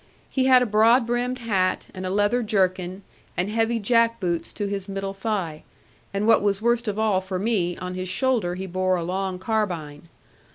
He had a broad brimmed hat, and a leather jerkin, and heavy jack boots to his middle thigh, and what was worst of all for me, on his shoulder he bore a long carbine.